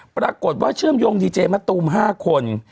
ปรากฏว่าเชื่อมโยงดีเจมะตูม๕คน